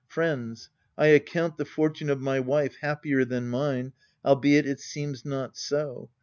Friends, I account the fortune of my wife Happier than mine, albeit it seems not so.